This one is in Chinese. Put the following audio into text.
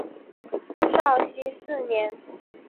绍熙四年。